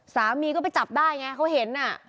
สามีก็ไปจับได้ไงเขาเห็นน่ะ